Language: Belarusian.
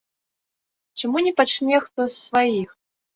Чаму не пачне хто з сваіх?